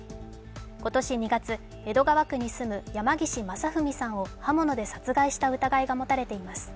今年２月、江戸川区に住む山岸正文さんを刃物で殺害した疑いが持たれています。